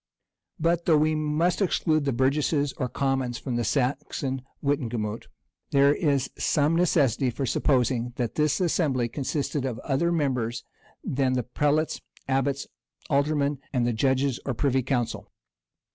But, though we must exclude the burgesses or commons from the Saxon wittenagemot, there is some necessity for supposing that this assembly consisted of other members than the prelates, abbots, alderman, and the judges or privy council.